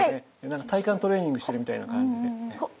何か体幹トレーニングしてるみたいな感じで。